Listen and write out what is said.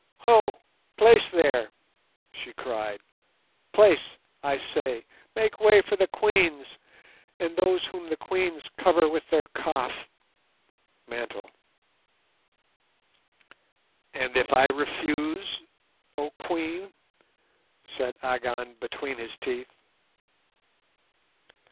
"Ho! place there," she cried; "place, I say; make way for the Queens, and those whom the Queens cover with their 'kaf' (mantle)." "And if I refuse, oh Queen?" said Agon between his teeth.